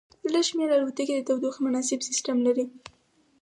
لږ شمیر الوتکې د تودوخې مناسب سیستم لري